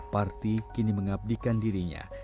parti kini mengabdikan dirinya